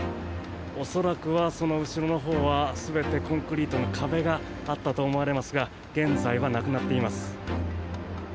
恐らくはその後ろのほうは全てコンクリートの壁があったと思われますが現在はなくなっています。